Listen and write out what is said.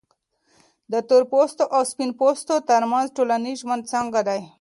د تورپوستو او سپین پوستو ترمنځ ټولنیز ژوند څنګه دی؟